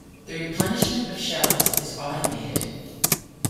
The replenishment of shells is automated.